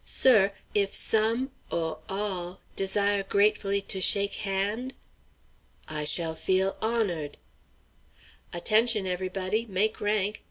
Sir, if some aw all desire gratefully to shake hand'?" "I should feel honored." "Attention, everybody! Make rank!